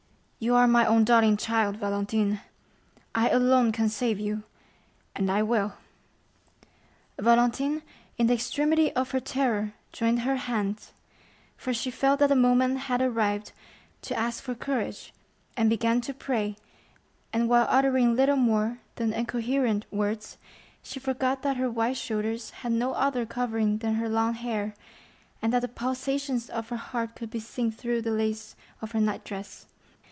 "You are my own darling child, Valentine! I alone can save you, and I will." Valentine in the extremity of her terror joined her hands,—for she felt that the moment had arrived to ask for courage,—and began to pray, and while uttering little more than incoherent words, she forgot that her white shoulders had no other covering than her long hair, and that the pulsations of her heart could be seen through the lace of her nightdress.